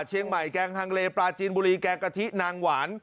เชียงใหม่แกงฮังเลปลาจีนบุรีแกงกะทินางหวาน